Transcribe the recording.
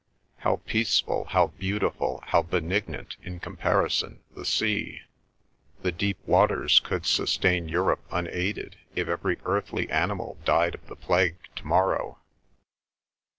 How peaceful, how beautiful, how benignant in comparison the sea? The deep waters could sustain Europe unaided if every earthly animal died of the plague to morrow.